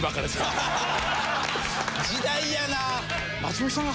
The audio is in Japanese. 時代やな。